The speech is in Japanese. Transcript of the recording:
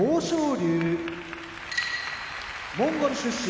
龍モンゴル出身